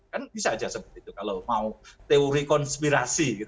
kan bisa saja seperti itu kalau mau teori konspirasi